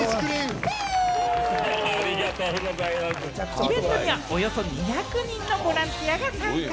イベントにはおよそ２００人のボランティアが参加。